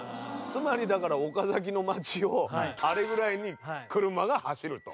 つまり、岡崎の街をあれぐらいに車が走ると。